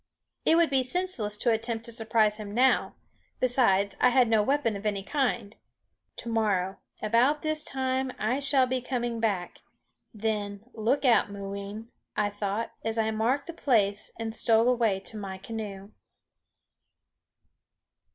It would be senseless to attempt to surprise him now; besides, I had no weapon of any kind. "To morrow, about this time, I shall be coming back; then look out, Mooween," I thought as I marked the place and stole away to my canoe.